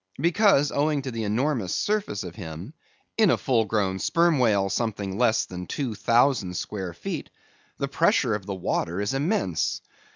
Because, owing to the enormous surface of him—in a full grown sperm whale something less than 2000 square feet—the pressure of the water is immense.